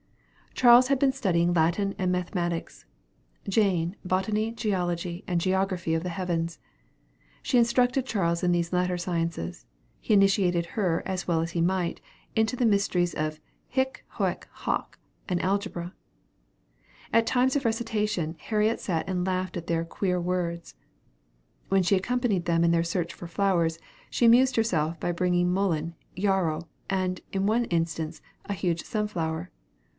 Charles had been studying Latin and mathematics; Jane, botany, geology, and geography of the heavens. She instructed Charles in these latter sciences; he initiated her as well as he might, into the mysteries of hic, haec, hoc, and algebra. At times of recitation, Harriet sat and laughed at their "queer words." When she accompanied them in their search for flowers, she amused herself by bringing mullen, yarrow, and, in one instance, a huge sunflower.